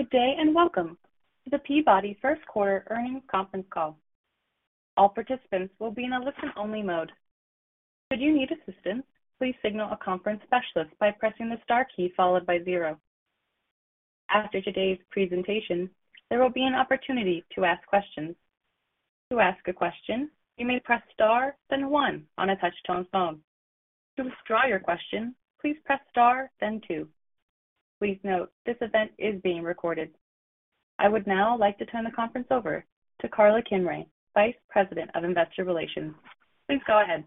Good day, and welcome to the Peabody first quarter earnings conference call. All participants will be in a listen-only mode. Should you need assistance, please signal a conference specialist by pressing the star key followed by zero. After today's presentation, there will be an opportunity to ask questions. To ask a question, you may press Star then one on a touch-tone phone. To withdraw your question, please press Star then two. Please note, this event is being recorded. I would now like to turn the conference over to Karla Kimrey, Vice President of Investor Relations. Please go ahead.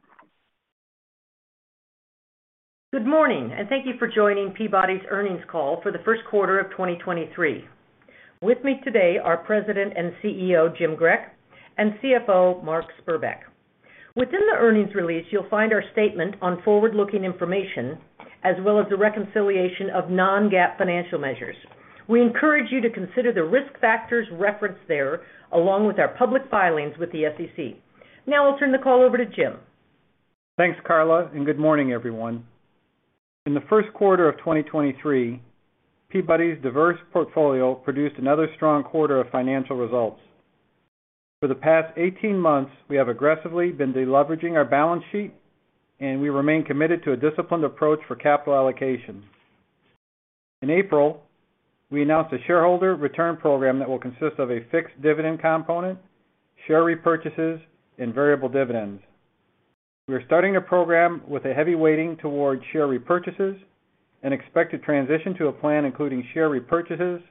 Good morning. Thank you for joining Peabody's earnings call for the first quarter of 2023. With me today are President and CEO Jim Grech and CFO Mark Spurbeck. Within the earnings release, you'll find our statement on forward-looking information, as well as the reconciliation of Non-GAAP financial measures. We encourage you to consider the risk factors referenced there, along with our public filings with the SEC. Now I'll turn the call over to Jim. Thanks, Karla Kimrey. Good morning, everyone. In the first quarter of 2023, Peabody's diverse portfolio produced another strong quarter of financial results. For the past 18 months, we have aggressively been de-leveraging our balance sheet. We remain committed to a disciplined approach for capital allocation. In April, we announced a shareholder return program that will consist of a fixed dividend component, share repurchases, and variable dividends. We are starting the program with a heavy weighting towards share repurchases. We expect to transition to a plan including share repurchases,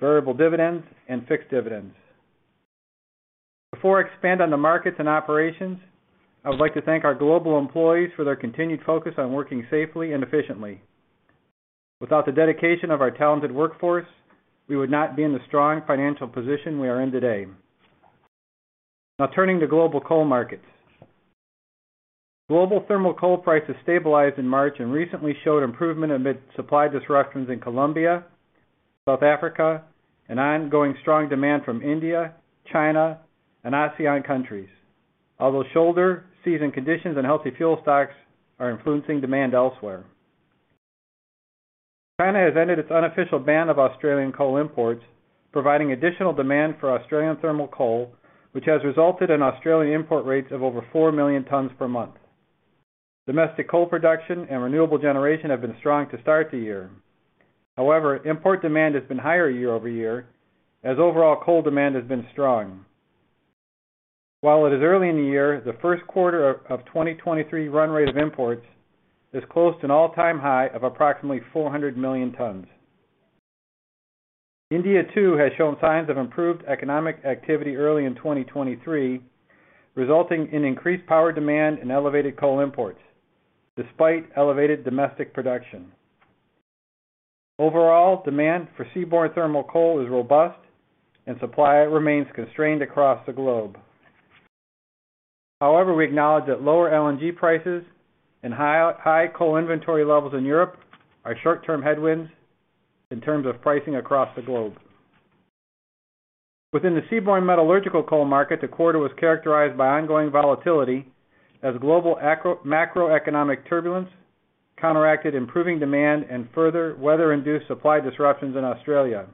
variable dividends, and fixed dividends. Before I expand on the markets and operations, I would like to thank our global employees for their continued focus on working safely and efficiently. Without the dedication of our talented workforce, we would not be in the strong financial position we are in today. Now turning to global coal markets. Global thermal coal prices stabilized in March and recently showed improvement amid supply disruptions in Colombia, South Africa, and ongoing strong demand from India, China, and ASEAN countries, although shoulder season conditions and healthy fuel stocks are influencing demand elsewhere. China has ended its unofficial ban of Australian coal imports, providing additional demand for Australian thermal coal, which has resulted in Australian import rates of over 4 million tons per month. Domestic coal production and renewable generation have been strong to start the year. Import demand has been higher year-over-year as overall coal demand has been strong. While it is early in the year, the first quarter of 2023 run rate of imports is close to an all-time high of approximately 400 million tons. India too has shown signs of improved economic activity early in 2023, resulting in increased power demand and elevated coal imports despite elevated domestic production. Overall, demand for Seaborne Thermal coal is robust and supply remains constrained across the globe. However, we acknowledge that lower LNG prices and high coal inventory levels in Europe are short-term headwinds in terms of pricing across the globe. Within the Seaborne Metallurgical coal market, the quarter was characterized by ongoing volatility as global macroeconomic turbulence counteracted improving demand and further weather-induced supply disruptions in Australia.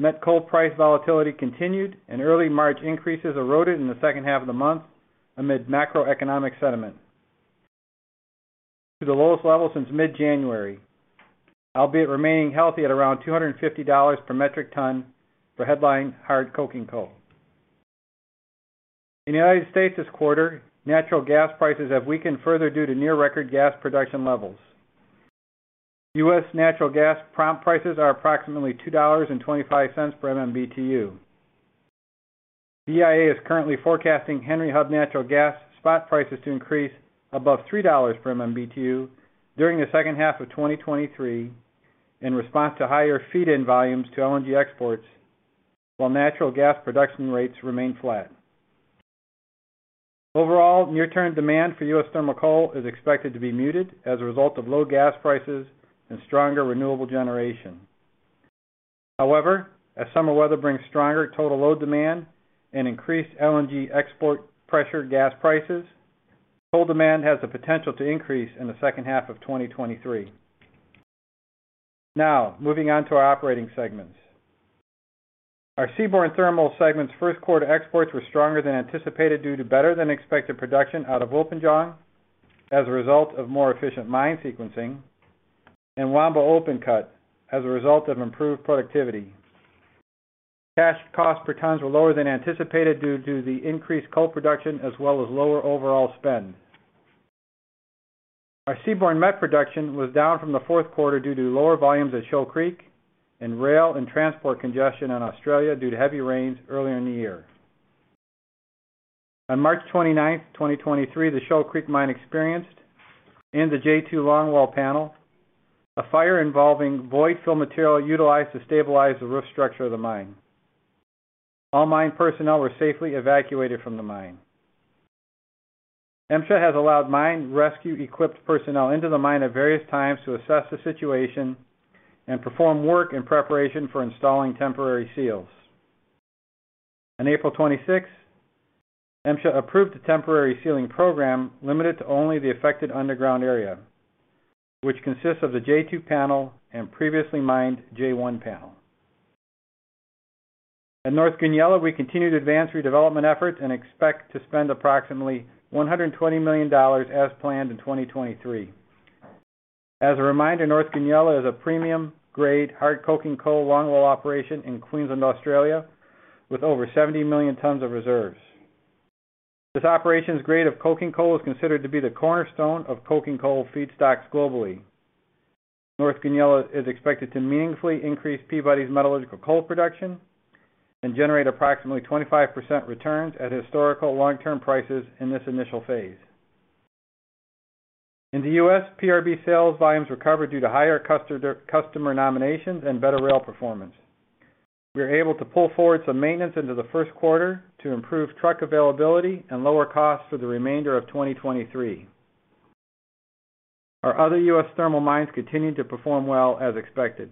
Met coal price volatility continued and early March increases eroded in the second half of the month amid macroeconomic sentiment to the lowest level since mid-January, albeit remaining healthy at around $250 per metric ton for headline hard coking coal. In the United States this quarter, natural gas prices have weakened further due to near record gas production levels. U.S. natural gas prompt prices are approximately $2.25 per MMBTU. EIA is currently forecasting Henry Hub natural gas spot prices to increase above $3 per MMBTU during the second half of 2023 in response to higher feed in volumes to LNG exports, while natural gas production rates remain flat. Overall, near-term demand for U.S. thermal coal is expected to be muted as a result of low gas prices and stronger renewable generation. However, as summer weather brings stronger total load demand and increased LNG export pressure gas prices, coal demand has the potential to increase in the second half of 2023. Moving on to our operating segments. Our Seaborne Thermal segment's first quarter exports were stronger than anticipated due to better-than-expected production out of Wilpinjong as a result of more efficient mine sequencing and Wambo open cut as a result of improved productivity. Cash cost per tons were lower than anticipated due to the increased coal production as well as lower overall spend. Our Seaborne met production was down from the fourth quarter due to lower volumes at Shoal Creek and rail and transport congestion in Australia due to heavy rains earlier in the year. On March 29th, 2023, the Shoal Creek mine experienced in the J2 longwall panel a fire involving void fill material utilized to stabilize the roof structure of the mine. All mine personnel were safely evacuated from the mine. MSHA has allowed mine rescue-equipped personnel into the mine at various times to assess the situation and perform work in preparation for installing temporary seals. On April 26th, MSHA approved the temporary sealing program limited to only the affected underground area, which consists of the J2 panel and previously mined J1 panel. At North Goonyella, we continue to advance redevelopment efforts and expect to spend approximately $120 million as planned in 2023. As a reminder, North Goonyella is a premium grade hard coking coal longwall operation in Queensland, Australia, with over 70 million tons of reserves. This operation's grade of coking coal is considered to be the cornerstone of coking coal feedstocks globally. North Goonyella is expected to meaningfully increase Peabody's metallurgical coal production and generate approximately 25% returns at historical long-term prices in this initial phase. In the U.S., PRB sales volumes recovered due to higher customer nominations and better rail performance. We were able to pull forward some maintenance into the first quarter to improve truck availability and lower costs for the remainder of 2023. Our other U.S. thermal mines continued to perform well as expected.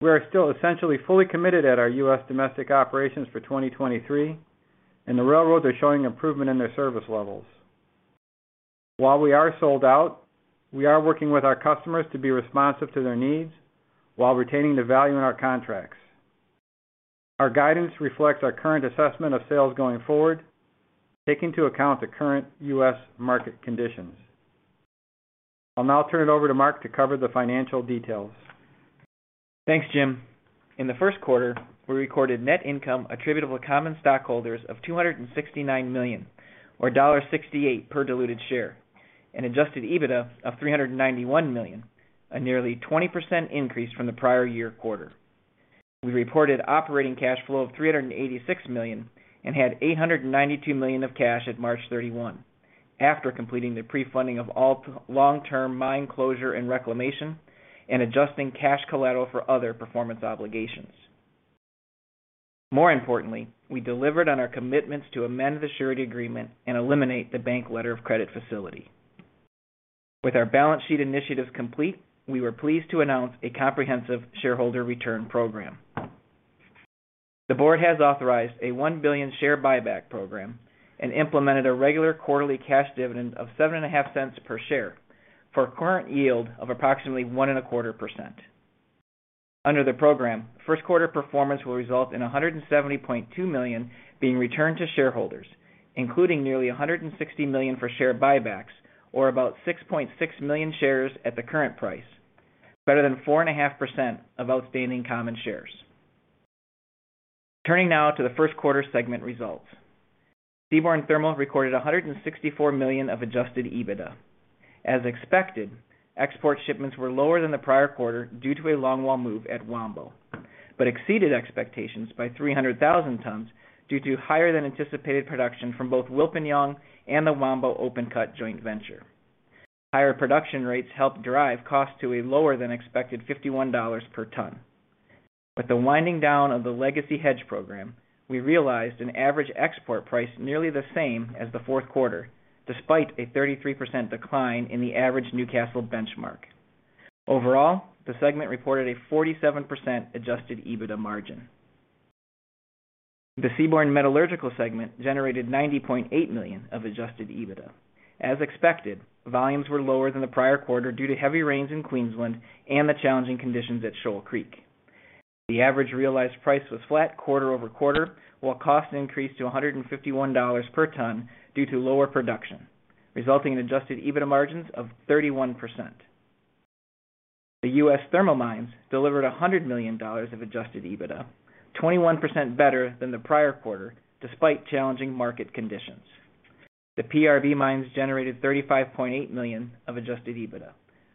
We are still essentially fully committed at our U.S. domestic operations for 2023, and the railroads are showing improvement in their service levels. While we are sold out, we are working with our customers to be responsive to their needs while retaining the value in our contracts. Our guidance reflects our current assessment of sales going forward, taking into account the current U.S. market conditions. I'll now turn it over to Mark to cover the financial details. Thanks, Jim. In the first quarter, we recorded net income attributable to common stockholders of $269 million or $1.68 per diluted share and adjusted EBITDA of $391 million, a nearly 20% increase from the prior year quarter. We reported operating cash flow of $386 million and had $892 million of cash at March 31st after completing the pre-funding of all long-term mine closure and reclamation and adjusting cash collateral for other performance obligations. More importantly, we delivered on our commitments to amend the surety agreement and eliminate the bank letter of credit facility. With our balance sheet initiatives complete, we were pleased to announce a comprehensive shareholder return program. The board has authorized a $1 billion share buyback program and implemented a regular quarterly cash dividend of $0.075 per share for a current yield of approximately 1.25%. Under the program, first quarter performance will result in $170.2 million being returned to shareholders, including nearly $160 million for share buybacks, or about 6.6 million shares at the current price, better than 4.5% of outstanding common shares. Turning now to the first quarter segment results. Seaborne Thermal recorded $164 million of adjusted EBITDA. As expected, export shipments were lower than the prior quarter due to a longwall move at Wambo, but exceeded expectations by 300,000 tons due to higher than anticipated production from both Wilpinjong and the Wambo open cut joint venture. Higher production rates helped drive cost to a lower than expected $51 per ton. With the winding down of the legacy hedge program, we realized an average export price nearly the same as the fourth quarter, despite a 33% decline in the average Newcastle benchmark. Overall, the segment reported a 47% adjusted EBITDA margin. The Seaborne Metallurgical segment generated $90.8 million of adjusted EBITDA. As expected, volumes were lower than the prior quarter due to heavy rains in Queensland and the challenging conditions at Shoal Creek. The average realized price was flat quarter-over-quarter, while cost increased to $151 per ton due to lower production, resulting in adjusted EBITDA margins of 31%. The U.S. thermal mines delivered $100 million of adjusted EBITDA, 21% better than the prior quarter, despite challenging market conditions. The PRB mines generated $35.8 million of adjusted EBITDA.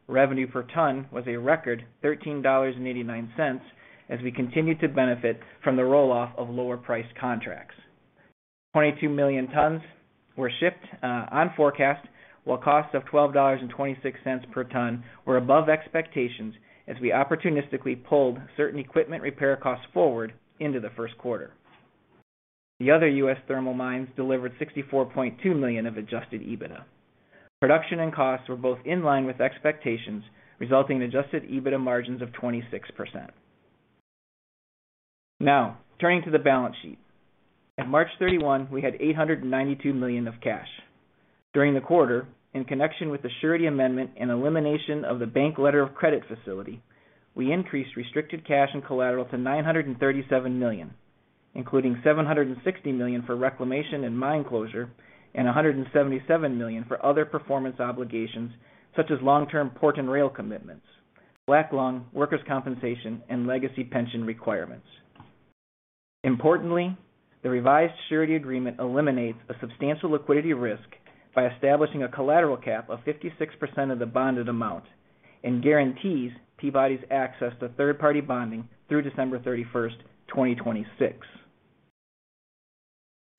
Revenue per ton was a record $13.89 as we continued to benefit from the roll-off of lower-priced contracts. 22 million tons were shipped on forecast, while costs of $12.26 per ton were above expectations as we opportunistically pulled certain equipment repair costs forward into the first quarter. The other U.S. thermal mines delivered $64.2 million of adjusted EBITDA. Production and costs were both in line with expectations, resulting in adjusted EBITDA margins of 26%. Turning to the balance sheet. At March 31st, we had $892 million of cash. During the quarter, in connection with the surety amendment and elimination of the bank letter of credit facility, we increased restricted cash and collateral to $937 million, including $760 million for reclamation and mine closure and $177 million for other performance obligations such as long-term port and rail commitments, black lung, workers' compensation, and legacy pension requirements. Importantly, the revised surety agreement eliminates a substantial liquidity risk by establishing a collateral cap of 56% of the bonded amount and guarantees Peabody's access to third-party bonding through December 31st, 2026.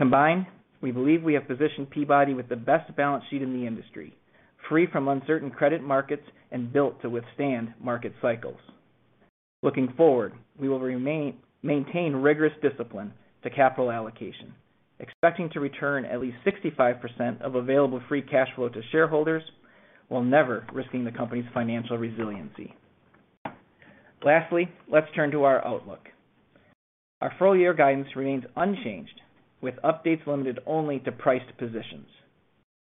Combined, we believe we have positioned Peabody with the best balance sheet in the industry, free from uncertain credit markets and built to withstand market cycles. Looking forward, we will maintain rigorous discipline to capital allocation, expecting to return at least 65% of available free cash flow to shareholders. While never risking the company's financial resiliency. Lastly, let's turn to our outlook. Our full-year guidance remains unchanged, with updates limited only to priced positions.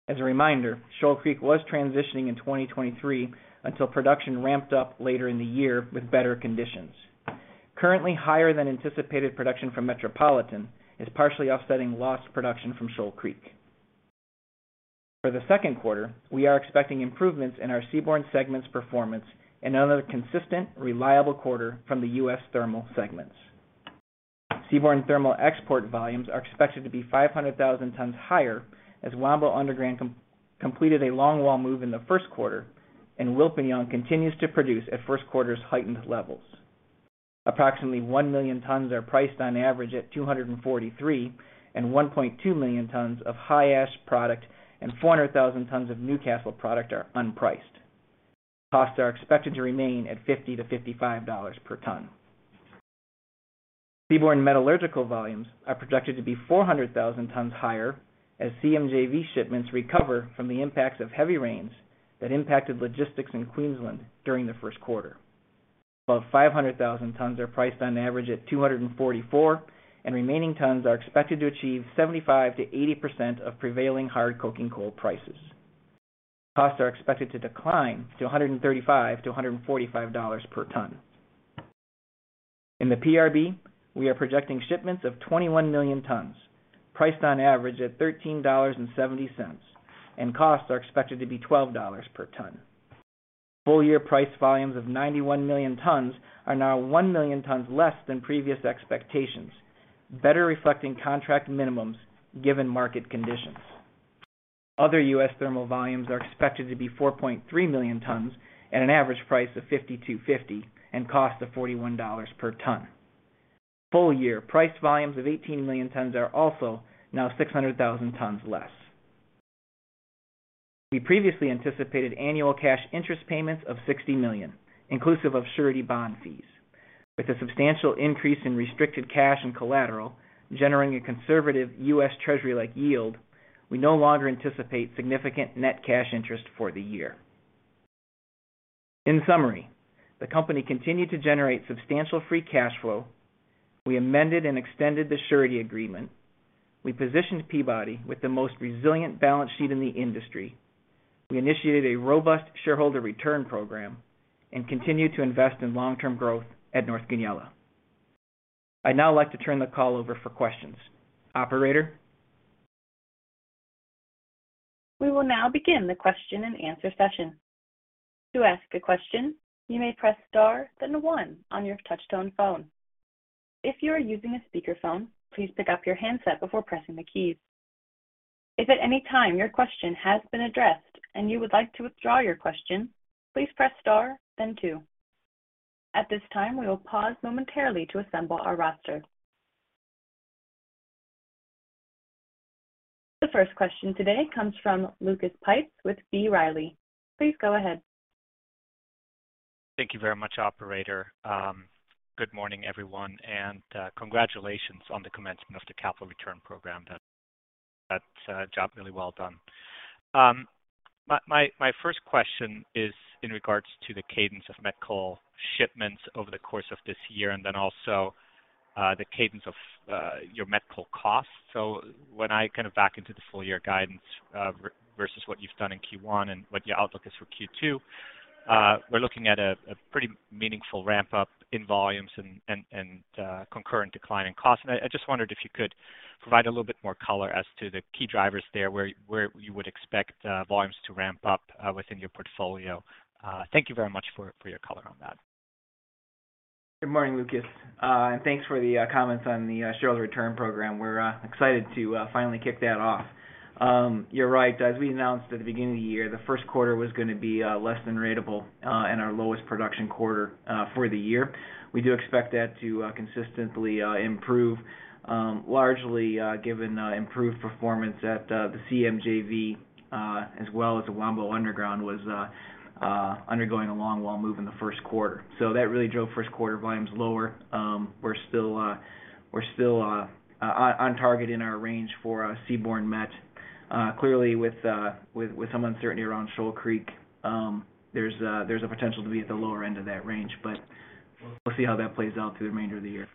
As a reminder, Shoal Creek was transitioning in 2023 until production ramped up later in the year with better conditions. Currently higher than anticipated production from Metropolitan is partially offsetting lost production from Shoal Creek. For the second quarter, we are expecting improvements in our seaborne segment's performance and another consistent, reliable quarter from the U.S. thermal segments. Seaborne thermal export volumes are expected to be 500,000 tons higher as Wambo Underground completed a longwall move in the first quarter, and Wilpinjong continues to produce at first quarter's heightened levels. Approximately 1 million tons are priced on average at $243, and 1.2 million tons of high ash product and 400,000 tons of Newcastle product are unpriced. Costs are expected to remain at $50-$55 per ton. Seaborne metallurgical volumes are projected to be 400,000 tons higher as CMJV shipments recover from the impacts of heavy rains that impacted logistics in Queensland during the first quarter. Above 500,000 tons are priced on average at $244, and remaining tons are expected to achieve 75%-80% of prevailing hard coking coal prices. Costs are expected to decline to $135-$145 per ton. In the PRB, we are projecting shipments of 21 million tons, priced on average at $13.70, and costs are expected to be $12 per ton. Full-year price volumes of 91 million tons are now 1 million tons less than previous expectations, better reflecting contract minimums given market conditions. Other U.S. thermal volumes are expected to be 4.3 million tons at an average price of $52.50 and cost of $41 per ton. Full-year priced volumes of 18 million tons are also now 600,000 tons less. We previously anticipated annual cash interest payments of $60 million, inclusive of surety bond fees. With a substantial increase in restricted cash and collateral generating a conservative U.S. Treasury-like yield, we no longer anticipate significant net cash interest for the year. In summary, the company continued to generate substantial free cash flow. We amended and extended the surety agreement. We positioned Peabody with the most resilient balance sheet in the industry. We initiated a robust shareholder return program and continued to invest in long-term growth at North Goonyella. I'd now like to turn the call over for questions. Operator? We will now begin the question-and-answer session. To ask a question, you may press star, then one on your touch-tone phone. If you are using a speakerphone, please pick up your handset before pressing the keys. If at any time your question has been addressed and you would like to withdraw your question, please press star then two. At this time, we will pause momentarily to assemble our roster. The first question today comes from Lucas Pipes with B. Riley. Please go ahead. Thank you very much, operator. Good morning everyone, and congratulations on the commencement of the capital return program. That's a job really well done. My first question is in regards to the cadence of met coal shipments over the course of this year and then also the cadence of your met coal costs. When I kind of back into the full year guidance versus what you've done in Q1 and what your outlook is for Q2, we're looking at a pretty meaningful ramp-up in volumes and concurrent decline in costs. I just wondered if you could provide a little bit more color as to the key drivers there, where you would expect volumes to ramp up within your portfolio. Thank you very much for your color on that. Good morning, Lucas. Thanks for the comments on the shareholder return program. We're excited to finally kick that off. You're right. As we announced at the beginning of the year, the first quarter was gonna be less than ratable and our lowest production quarter for the year. We do expect that to consistently improve, largely given improved performance at the CMJV, as well as the Wambo Underground was undergoing a longwall move in the first quarter. That really drove first quarter volumes lower. We're still on target in our range for Seaborne Met. Clearly with some uncertainty around Shoal Creek, there's a potential to be at the lower end of that range. We'll see how that plays out through the remainder of the year.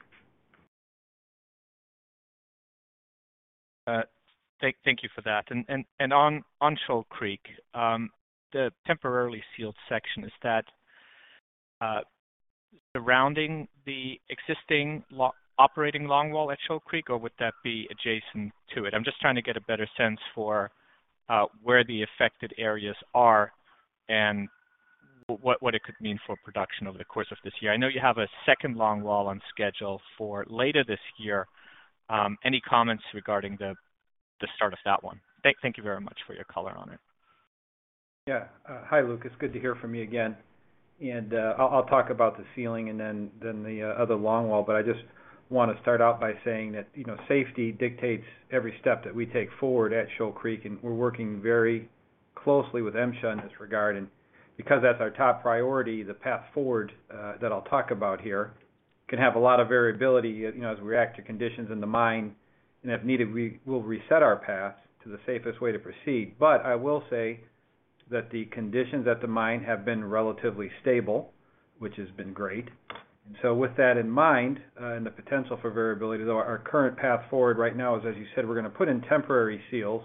Thank you for that. On Shoal Creek, the temporarily sealed section, is that surrounding the existing operating longwall at Shoal Creek, or would that be adjacent to it? I'm just trying to get a better sense for where the affected areas are and what it could mean for production over the course of this year. I know you have a second longwall on schedule for later this year. Any comments regarding the start of that one? Thank you very much for your color on it. Yeah. Hi Lucas, good to hear from you again. I'll talk about the sealing and then the other longwall. I just wanna start out by saying that, you know, safety dictates every step that we take forward at Shoal Creek, and we're working very closely with MSHA in this regard. Because that's our top priority, the path forward, that I'll talk about here can have a lot of variability, you know, as we react to conditions in the mine. If needed, we will reset our path to the safest way to proceed. I will say that the conditions at the mine have been relatively stable, which has been great. With that in mind, and the potential for variability, though, our current path forward right now is, as you said, we're going to put in temporary seals,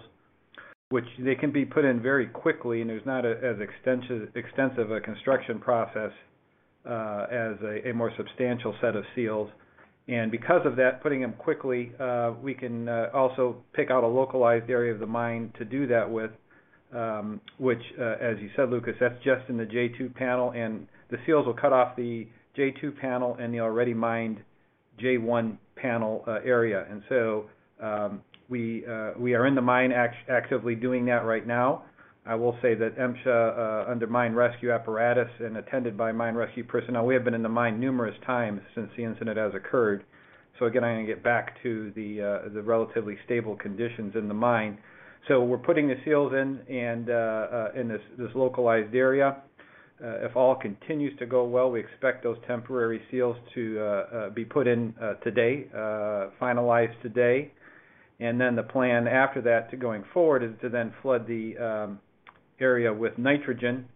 which they can be put in very quickly, and there's not as extensive a construction process, as a more substantial set of seals. Because of that, putting them quickly, we can also pick out a localized area of the mine to do that with, which, as you said, Lucas Pipes, that's just in the J2 panel. The seals will cut off the J2 panel and the already mined J1 panel area. We are in the mine actively doing that right now. I will say that MSHA, under mine rescue apparatus and attended by mine rescue personnel, we have been in the mine numerous times since the incident has occurred. Again, I'm going to get back to the relatively stable conditions in the mine. We're putting the seals in and in this localized area. If all continues to go well, we expect those temporary seals to be put in today, finalized today. The plan after that to going forward is to then flood the area with nitrogen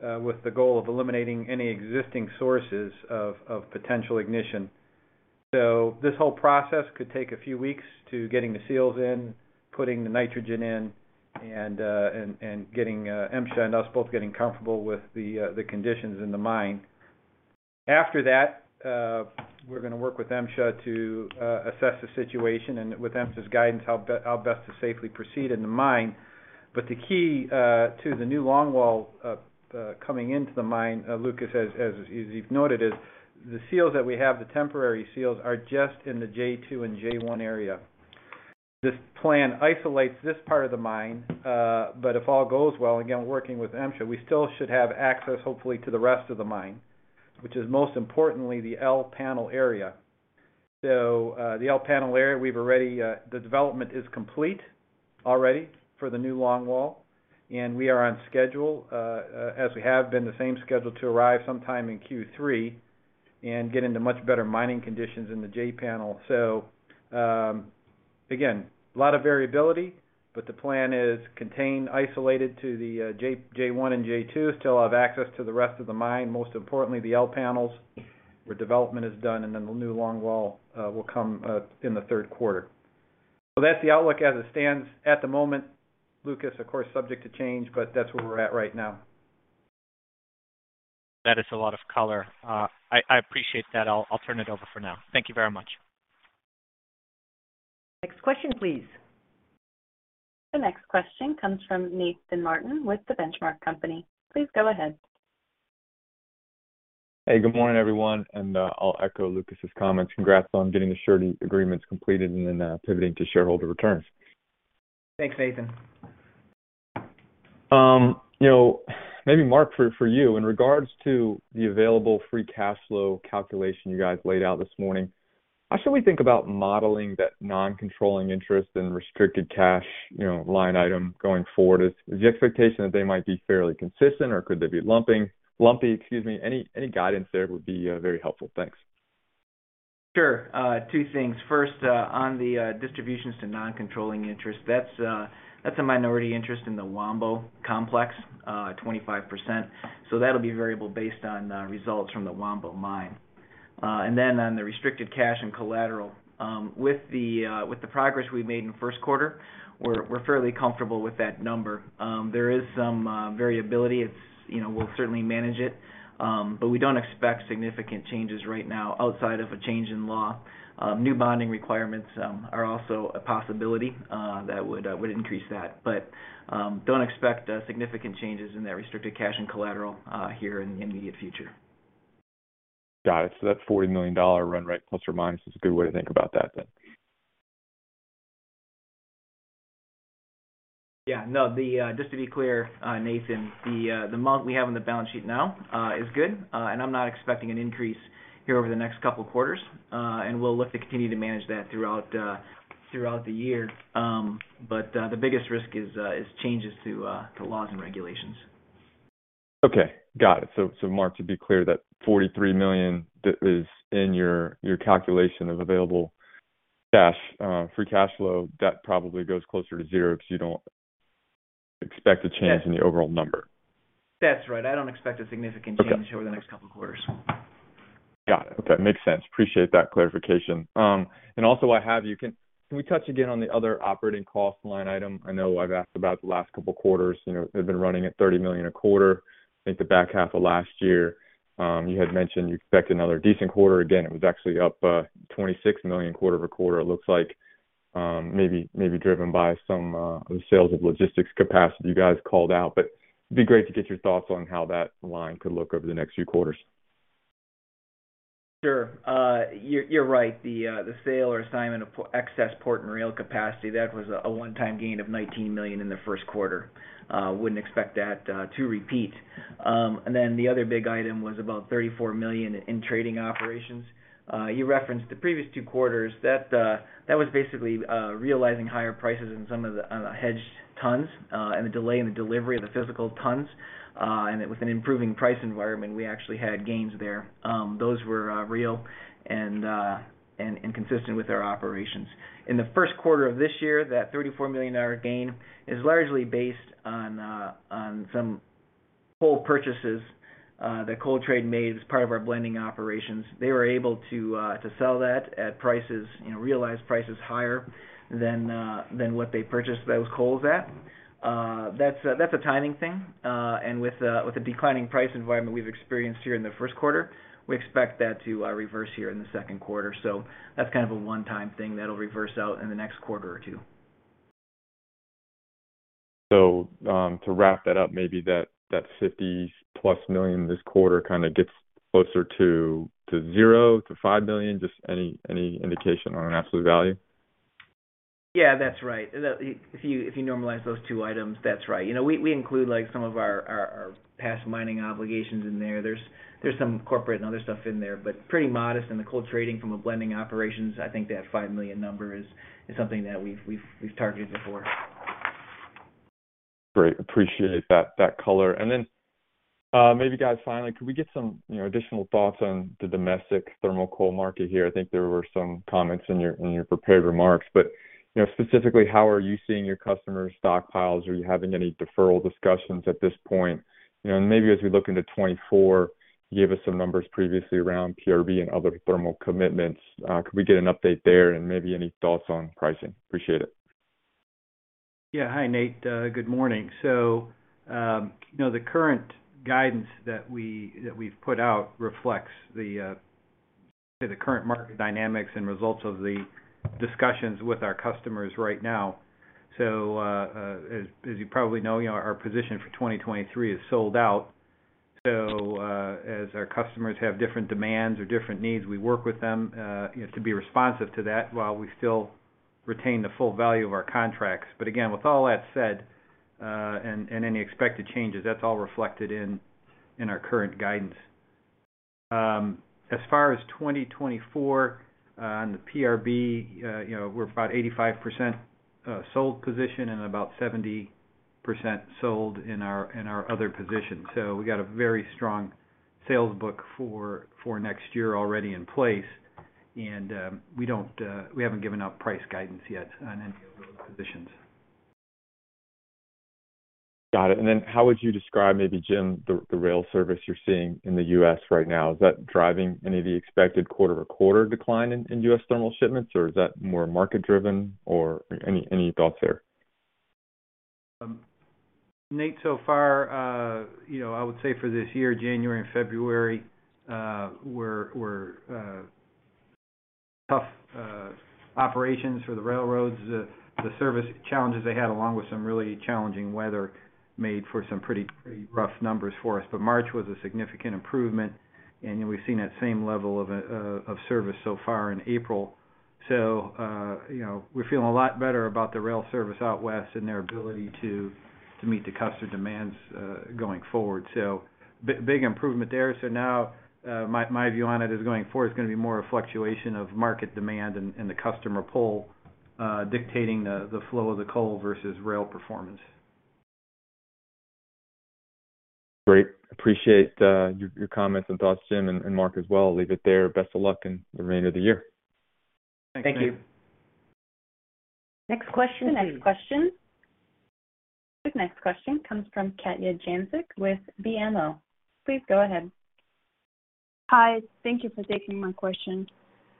with the goal of eliminating any existing sources of potential ignition. This whole process could take a few weeks to getting the seals in, putting the nitrogen in, and getting MSHA and us both getting comfortable with the conditions in the mine. After that, we're going to work with MSHA to assess the situation and with MSHA's guidance, how best to safely proceed in the mine. The key to the new longwall coming into the mine, Lucas, as you've noted, is the seals that we have, the temporary seals are just in the J2 and J1 area. This plan isolates this part of the mine, but if all goes well, again, working with MSHA, we still should have access, hopefully, to the rest of the mine, which is most importantly the L panel area. The L panel area, we've already the development is complete already for the new longwall, and we are on schedule, as we have been the same schedule to arrive sometime in Q3 and get into much better mining conditions in the J panel. Again, a lot of variability, but the plan is contained, isolated to the J, J1 and J2, still have access to the rest of the mine, most importantly, the L panels, where development is done, and then the new longwall will come in the third quarter. That's the outlook as it stands at the moment, Lucas, of course, subject to change, but that's where we're at right now. That is a lot of color. I appreciate that. I'll turn it over for now. Thank you very much. Next question, please. The next question comes from Nathan Martin with The Benchmark Company. Please go ahead. Hey, good morning, everyone. I'll echo Lucas's comments. Congrats on getting the surety agreements completed and then, pivoting to shareholder returns. Thanks, Nathan. You know, maybe Mark for you, in regards to the available free cash flow calculation you guys laid out this morning, how should we think about modeling that non-controlling interest and restricted cash, you know, line item going forward? Is the expectation that they might be fairly consistent, or could they be lumpy, excuse me. Any guidance there would be very helpful. Thanks. Sure. Two things. First, on the distributions to non-controlling interest, that's a minority interest in the Wambo complex, 25%. That'll be variable based on results from the Wambo mine. On the restricted cash and collateral, with the progress we made in the first quarter, we're fairly comfortable with that number. There is some variability. It's, you know, we'll certainly manage it, we don't expect significant changes right now outside of a change in law. New bonding requirements are also a possibility that would increase that. Don't expect significant changes in that restricted cash and collateral here in the immediate future. Got it. That's $40 million run rate, ±, is a good way to think about that then. Yeah. No. Just to be clear, Nathan, the amount we have on the balance sheet now, is good, and I'm not expecting an increase here over the next couple quarters. We'll look to continue to manage that throughout the year. The biggest risk is changes to laws and regulations. Okay. Got it. Mark Spurbeck, to be clear, that $43 million that is in your calculation of available cash, free cash flow, that probably goes closer to zero because you don't expect a change in the overall number. That's right. I don't expect a significant change- Okay. over the next couple quarters. Got it. Okay. Makes sense. Appreciate that clarification. Also I have you, can we touch again on the other operating cost line item? I know I've asked about the last couple quarters. You know, they've been running at $30 million a quarter. I think the back half of last year, you had mentioned you expect another decent quarter. Again, it was actually up, $26 million quarter-over-quarter, it looks like, maybe driven by some, the sales of logistics capacity you guys called out. It'd be great to get your thoughts on how that line could look over the next few quarters. Sure. You're right. The sale or assignment of excess port and rail capacity, that was a one-time gain of $19 million in the first quarter. Wouldn't expect that to repeat. The other big item was about $34 million in trading operations. You referenced the previous two quarters that that was basically realizing higher prices in some of the hedged tons, and the delay in the delivery of the physical tons. With an improving price environment, we actually had gains there. Those were real and consistent with our operations. In the first quarter of this year, that $34 million gain is largely based on some Coal purchases, that coal trade made as part of our blending operations, they were able to sell that at prices, you know, realized prices higher than what they purchased those coals at. That's a, that's a timing thing. With the declining price environment we've experienced here in the first quarter, we expect that to reverse here in the second quarter. That's kind of a one-time thing that'll reverse out in the next quarter or two. to wrap that up, maybe that $50+ million this quarter kind of gets closer to $0 million-$5 million. Just any indication on an absolute value? Yeah, that's right. If you normalize those two items, that's right. You know, we include like some of our past mining obligations in there. There's some corporate and other stuff in there, but pretty modest in the coal trading from a blending operations. I think that $5 million number is something that we've targeted before. Great. Appreciate that color. Then, maybe guys, finally, could we get some, you know, additional thoughts on the domestic thermal coal market here? I think there were some comments in your, in your prepared remarks. You know, specifically, how are you seeing your customers' stockpiles? Are you having any deferral discussions at this point? You know, maybe as we look into 2024, you gave us some numbers previously around PRB and other thermal commitments. Could we get an update there? Maybe any thoughts on pricing? Appreciate it. Yeah. Hi, Nate. Good morning. You know, the current guidance that we've put out reflects the current market dynamics and results of the discussions with our customers right now. As you probably know, you know, our position for 2023 is sold out. As our customers have different demands or different needs, we work with them, you know, to be responsive to that while we still retain the full value of our contracts. Again, with all that said, and any expected changes, that's all reflected in our current guidance. As far as 2024, on the PRB, you know, we're about 85% sold position and about 70% sold in our other positions. We got a very strong sales book for next year already in place. We don't, we haven't given up price guidance yet on any of those positions. Got it. Then how would you describe maybe, Jim, the rail service you're seeing in the U.S. right now? Is that driving any of the expected quarter-over-quarter decline in U.S. thermal shipments, or is that more market-driven or any thoughts there? Nate, so far, you know, I would say for this year, January and February, were tough operations for the railroads. The service challenges they had, along with some really challenging weather made for some pretty rough numbers for us. March was a significant improvement, and we've seen that same level of service so far in April. You know, we're feeling a lot better about the rail service out west and their ability to meet the customer demands going forward. Big improvement there. Now, my view on it is going forward, it's gonna be more a fluctuation of market demand and the customer pull dictating the flow of the coal versus rail performance. Great. Appreciate your comments and thoughts, Jim, and Mark as well. Leave it there. Best of luck in the remainder of the year. Thank you. Thanks, Nate. Next question. Next question. The next question comes from Katja Jancic with BMO. Please go ahead. Hi. Thank you for taking my question.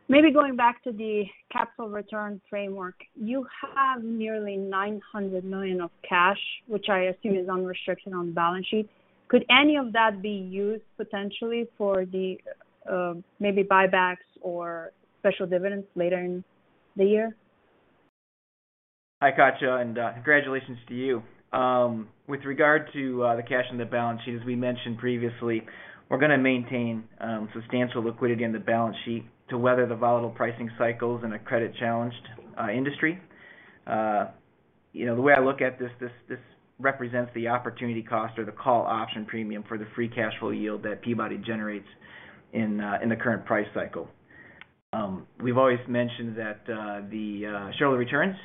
Going back to the capital return framework. You have nearly $900 million of cash, which I assume is unrestricted on the balance sheet. Could any of that be used potentially for the maybe buybacks or special dividends later in the year? Hi, Katja, and congratulations to you. With regard to the cash in the balance sheet, as we mentioned previously, we're gonna maintain substantial liquidity in the balance sheet to weather the volatile pricing cycles in a credit-challenged industry. You know, the way I look at this represents the opportunity cost or the call option premium for the free cash flow yield that Peabody generates in the current price cycle. We've always mentioned that the shareholder returns,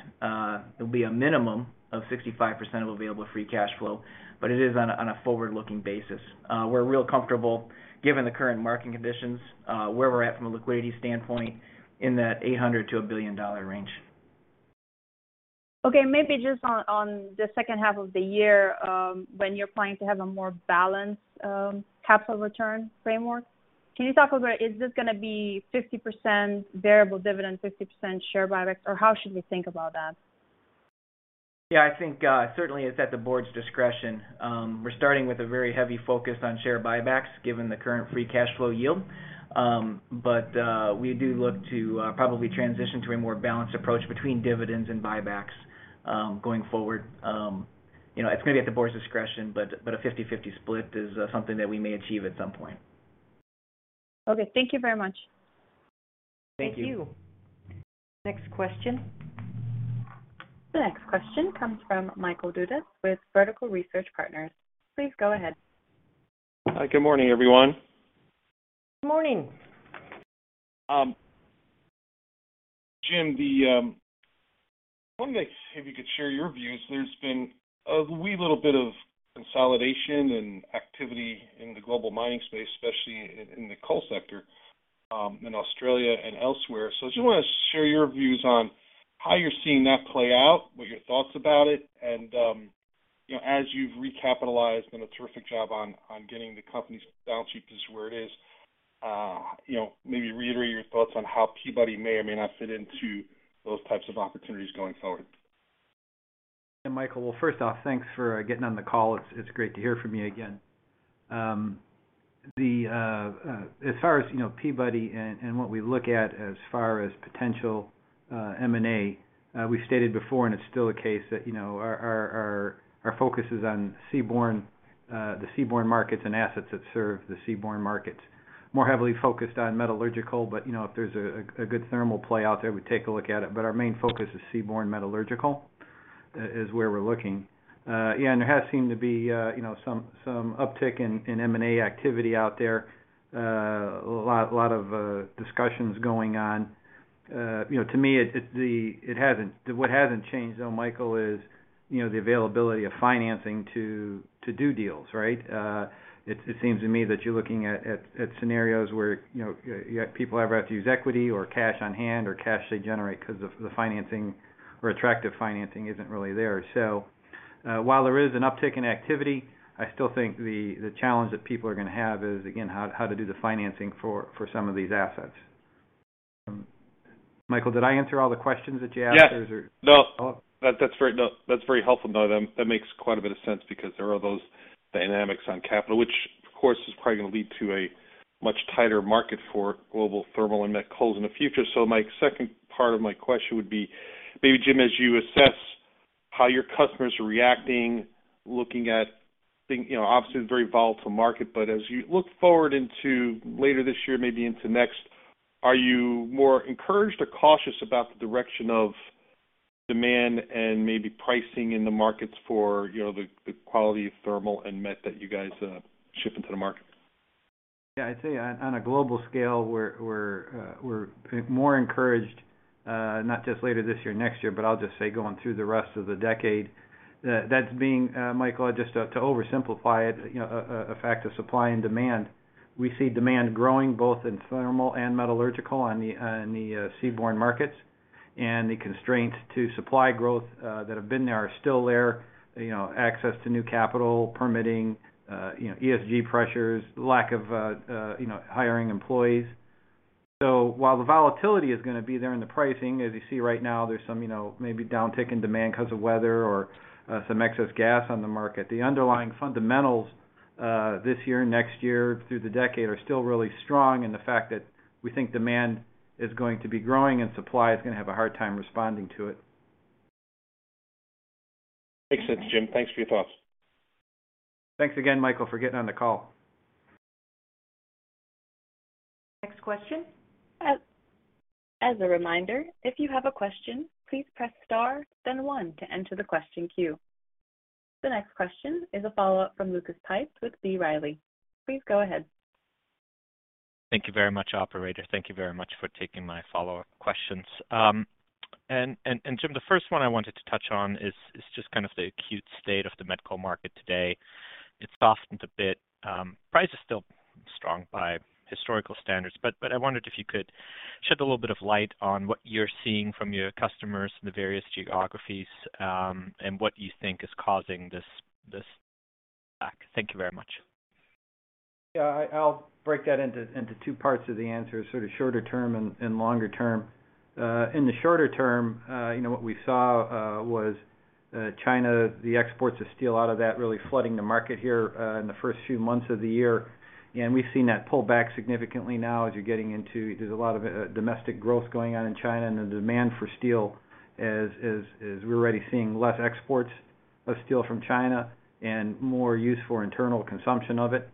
it'll be a minimum of 65% of available free cash flow, but it is on a forward-looking basis. We're real comfortable given the current market conditions, where we're at from a liquidity standpoint in that $800 million-$1 billion range. Maybe just on the second half of the year, when you're planning to have a more balanced, capital return framework. Can you talk about is this gonna be 50% variable dividend, 50% share buybacks, or how should we think about that? Yeah, I think, certainly it's at the board's discretion. We're starting with a very heavy focus on share buybacks given the current free cash flow yield. We do look to probably transition to a more balanced approach between dividends and buybacks, going forward. You know, it's gonna be at the board's discretion, but a 50/50 split is something that we may achieve at some point. Okay, thank you very much. Thank you. Thank you. Next question. The next question comes from Michael Dudas with Vertical Research Partners. Please go ahead. Hi. Good morning, everyone. Good morning. Jim, I was wondering if you could share your views? There's been a wee little bit of consolidation and activity in the global mining space, especially in the coal sector. In Australia and elsewhere. Just wanna share your views on how you're seeing that play out, what are your thoughts about it? You know, as you've recapitalized, done a terrific job on getting the company's balance sheet just where it is. You know, maybe reiterate your thoughts on how Peabody may or may not fit into those types of opportunities going forward. Michael. First off, thanks for getting on the call. It's, it's great to hear from you again. As far as, you know, Peabody and what we look at as far as potential M&A, we stated before, and it's still the case that, you know, our focus is on seaborne, the seaborne markets and assets that serve the seaborne markets. More heavily focused on metallurgical, but, you know, if there's a good thermal play out there, we take a look at it. Our main focus is seaborne metallurgical is where we're looking. There has seemed to be, you know, some uptick in M&A activity out there. A lot of discussions going on. You know, to me what hasn't changed though, Michael, is, you know, the availability of financing to do deals, right? It seems to me that you're looking at scenarios where, you know, yet people either have to use equity or cash on hand or cash they generate because of the financing or attractive financing isn't really there. While there is an uptick in activity, I still think the challenge that people are gonna have is, again, how to do the financing for some of these assets. Michael, did I answer all the questions that you asked, or is there? Yes. No. Oh. No, that's very helpful, no. That makes quite a bit of sense because there are those dynamics on capital, which of course is probably gonna lead to a much tighter market for global thermal and met coals in the future. My second part of my question would be, maybe, Jim Grech, as you assess how your customers are reacting, looking at things, you know, obviously a very volatile market, but as you look forward into later this year, maybe into next, are you more encouraged or cautious about the direction of demand and maybe pricing in the markets for, you know, the quality of thermal and met that you guys ship into the market? Yeah. I'd say on a global scale, we're more encouraged, not just later this year, next year, but I'll just say going through the rest of the decade. That being, Michael, just to oversimplify it, you know, a fact of supply and demand. We see demand growing both in thermal and metallurgical on the in the seaborne markets. The constraints to supply growth that have been there are still there. You know, access to new capital, permitting, you know, ESG pressures, lack of hiring employees. While the volatility is gonna be there in the pricing, as you see right now, there's some, you know, maybe downtick in demand because of weather or some excess gas on the market. The underlying fundamentals, this year, next year, through the decade, are still really strong. The fact that we think demand is going to be growing and supply is gonna have a hard time responding to it. Makes sense, Jim. Thanks for your thoughts. Thanks again, Michael, for getting on the call. Next question. A- As a reminder, if you have a question, please press star then one to enter the question queue. The next question is a follow-up from Lucas Pipes with B. Riley. Please go ahead. Thank you very much, operator. Thank you very much for taking my follow-up questions. Jim, the first one I wanted to touch on is just kind of the acute state of the met coal market today. It softened a bit. Price is still strong by historical standards, but I wondered if you could shed a little bit of light on what you're seeing from your customers in the various geographies, and what you think is causing this back. Thank you very much. Yeah. I'll break that into two parts of the answer, sort of shorter term and longer term. In the shorter term, you know, what we saw was China, the exports of steel out of that really flooding the market here, in the first few months of the year. We've seen that pull back significantly now as you're getting into there's a lot of domestic growth going on in China, and the demand for steel is we're already seeing less exports of steel from China and more use for internal consumption of it.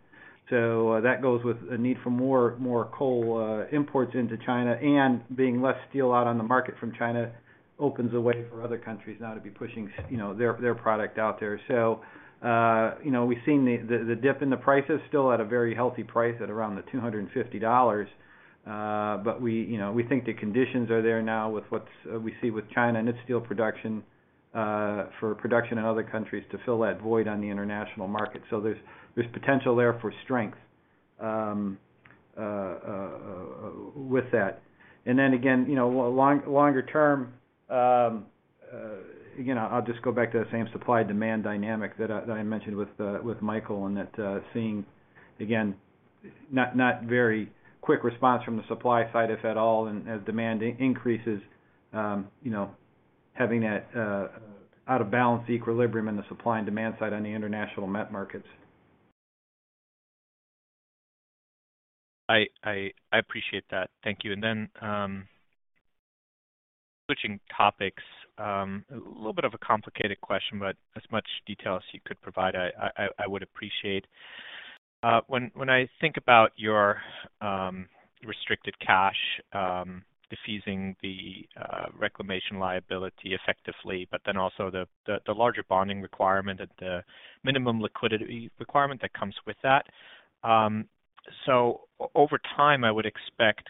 That goes with a need for more coal imports into China, and being less steel out on the market from China opens the way for other countries now to be pushing, you know, their product out there. You know, we've seen the dip in the prices still at a very healthy price at around $250. We, you know, we think the conditions are there now with what's we see with China and its steel production for production in other countries to fill that void on the international market. There's potential there for strength with that. Again, you know, longer term, you know, I'll just go back to the same supply-demand dynamic that I mentioned with Michael and that seeing, again, not very quick response from the supply side, if at all. As demand increases, you know, having that out of balance equilibrium in the supply and demand side on the international met markets. I appreciate that. Thank you. Switching topics, a little bit of a complicated question, but as much detail as you could provide, I would appreciate. When I think about your restricted cash, defeasing the reclamation liability effectively, but then also the larger bonding requirement at the minimum liquidity requirement that comes with that. Over time, I would expect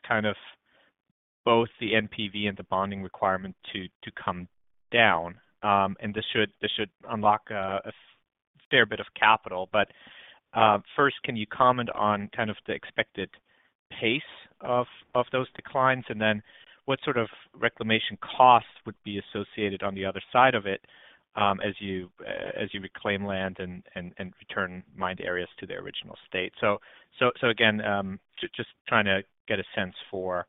both the NPV and the bonding requirement to come down. This should unlock a fair bit of capital. First, can you comment on the expected pace of those declines? What sort of reclamation costs would be associated on the other side of it, as you reclaim land and return mined areas to their original state? Again, just trying to get a sense for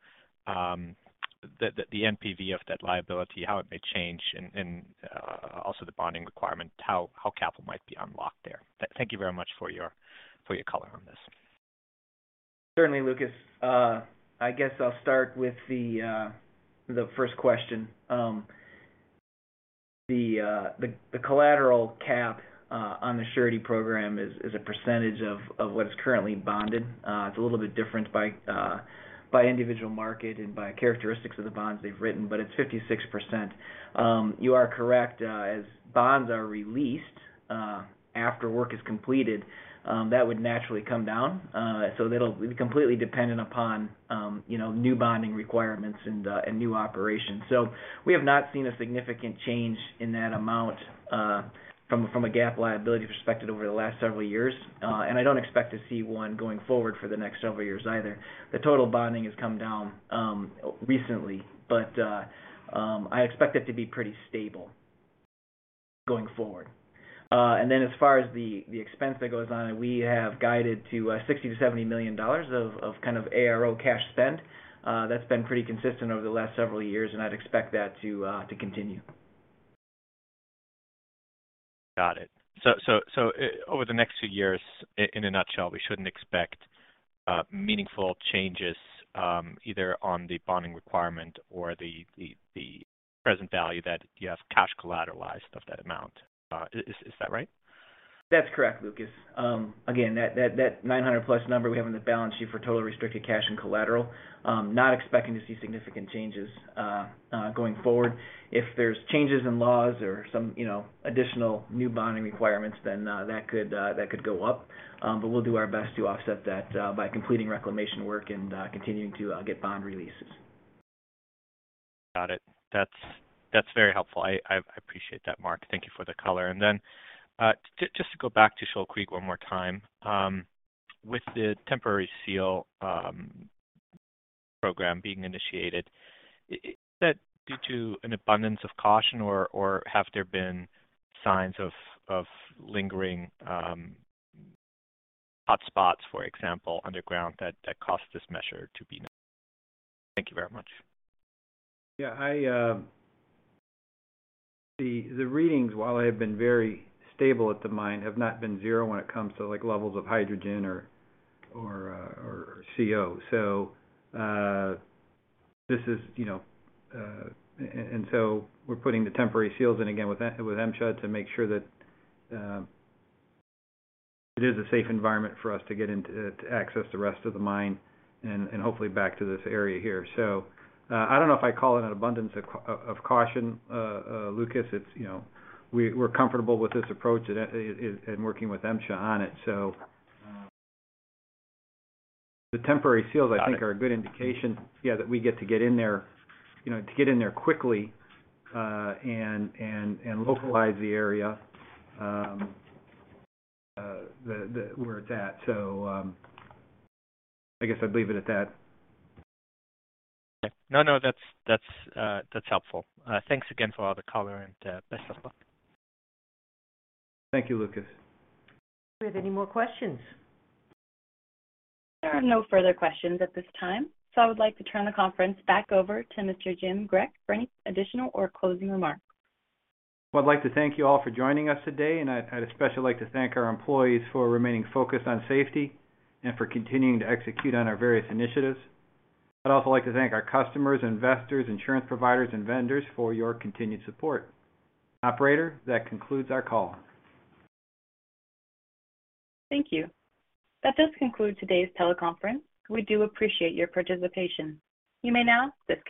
the NPV of that liability, how it may change and also the bonding requirement, how capital might be unlocked there. Thank you very much for your color on this. Certainly, Lucas. I guess I'll start with the first question. The collateral cap on the surety program is a percentage of what is currently bonded. It's a little bit different by individual market and by characteristics of the bonds they've written, but it's 56%. You are correct. As bonds are released, after work is completed, that would naturally come down. It'll be completely dependent upon, you know, new bonding requirements and new operations. We have not seen a significant change in that amount, from a gap liability perspective over the last several years, and I don't expect to see one going forward for the next several years either. The total bonding has come down recently, but I expect it to be pretty stable going forward. As far as the expense that goes on, we have guided to $60 million-$70 million of kind of ARO cash spend. That's been pretty consistent over the last several years, and I'd expect that to continue. Got it. Over the next few years, in a nutshell, we shouldn't expect meaningful changes either on the bonding requirement or the present value that you have cash collateralized of that amount. Is that right? That's correct, Lucas. Again, that $900+ number we have on the balance sheet for total restricted cash and collateral, not expecting to see significant changes going forward. If there's changes in laws or some, you know, additional new bonding requirements, then that could go up. We'll do our best to offset that by completing reclamation work and continuing to get bond releases. Got it. That's very helpful. I appreciate that, Mark. Thank you for the color. Just to go back to Shoal Creek one more time. With the temporary seal program being initiated, is that due to an abundance of caution or have there been signs of lingering, hotspots, for example, underground that caused this measure to be made? Thank you very much. I, the readings, while they have been very stable at the mine, have not been zero when it comes to like, levels of hydrogen or CO. This is, you know, and so we're putting the temporary seals in again with MSHA to make sure that it is a safe environment for us to get in to access the rest of the mine and hopefully back to this area here. I don't know if I call it an abundance of caution, Lucas. It's, you know, we're comfortable with this approach and working with MSHA on it. The temporary seals- Got it. I think are a good indication, yeah, that we get to get in there, you know, to get in there quickly, and localize the area, the where it's at. I guess I'd leave it at that. No, no, that's helpful. Thanks again for all the color and best of luck. Thank you, Lucas. Do we have any more questions? There are no further questions at this time. I would like to turn the conference back over to Mr. Jim Grech for any additional or closing remarks. I'd like to thank you all for joining us today. I'd especially like to thank our employees for remaining focused on safety and for continuing to execute on our various initiatives. I'd also like to thank our customers, investors, insurance providers, and vendors for your continued support. Operator, that concludes our call. Thank you. That does conclude today's teleconference. We do appreciate your participation. You may now disconnect.